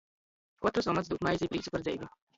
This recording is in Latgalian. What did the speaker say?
Kotrs omots dūd maizi i prīcu par dzeivi!